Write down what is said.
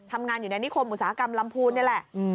ทำงานอยู่ในนิคมอุตสาหกรรมลำพูนนี่แหละ